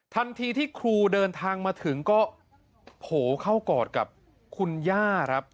ทันทีที่ครูเดินทางมาถึงก็โผล่เข้ากอดกับคุณย่าครับ